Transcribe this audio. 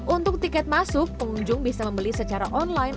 untuk tiket masuk pengunjung bisa membeli secara online